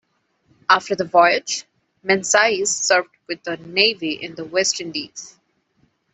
After the voyage, Menzies served with the Navy in the West Indies.